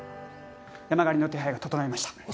山狩りの手配が整いました。